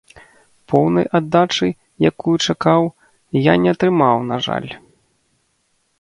Поўнай аддачы, якую чакаў, я не атрымаў, на жаль.